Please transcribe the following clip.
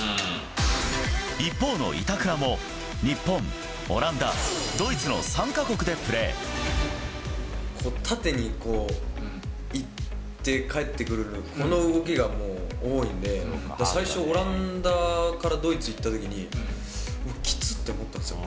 一方の板倉も、日本、オラン縦にこう、行って帰ってくる、この動きが多いんで、だから最初、オランダからドイツ行ったときに、きつって思ったんですよ。